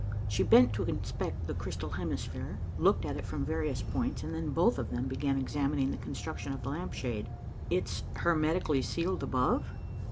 She bent to inspect the crystal hemisphere, looked at it from various points, and then both of them began examining the construction of the lamp shade. "It's hermetically sealed above?"